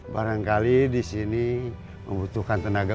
barangkali disini membutuhkan tenaga